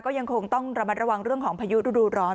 ก็ยังคงต้องระมัดระวังเรื่องของพายุฤดูร้อน